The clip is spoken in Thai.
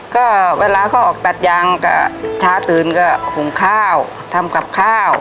ก็เวลาเขาออกตัดยางก็ช้าตื่นก็หุงข้าวทำกับข้าว